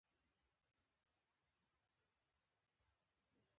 آواز يې واېست عاعاعا.